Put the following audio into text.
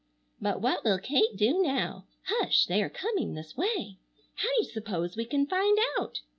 But what will Kate do now? Hush! They are coming this way. How do you suppose we can find out?